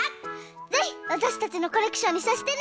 ぜひわたしたちのコレクションにさせてね！